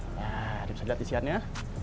ya bisa dilihat isiannya